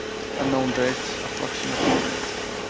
"Unknown date, approximate year"